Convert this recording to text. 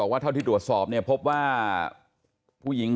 โรงบาลรุ่นเทพรยอง